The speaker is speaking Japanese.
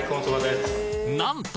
なんと！